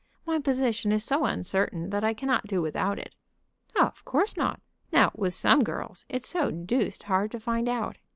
My position is so uncertain that I cannot do without it." "Of course not." "Now, with some girls it's so deuced hard to find out.